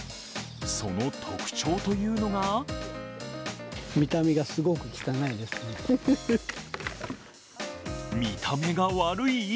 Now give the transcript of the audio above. その特徴というのが見た目が悪い？